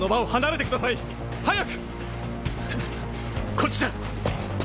こっちだ！